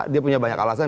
dia punya banyak alasan